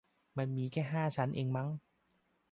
แต่มันมีแค่ห้าชั้นเองมั้ง